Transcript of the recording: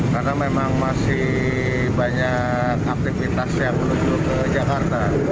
karena memang masih banyak aktivitas yang menuju ke jakarta